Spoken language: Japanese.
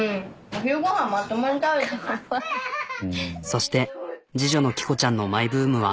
そして次女のきこちゃんのマイブームは。